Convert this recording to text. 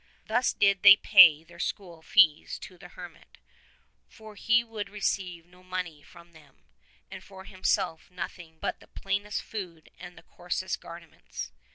103 Thus did they pay their school fees to the hermit, for he would receive no money from them, and for himself nothing but the plainest food and the coarsest garments.